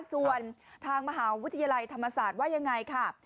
ส่วนทางมหาวิทยาลัยธรรมศาสตร์ว่ายังไงค่ะ